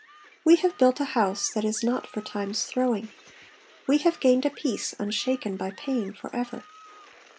We have built a house that is not for Time's throwing. We have gained a peace unshaken by pain for ever.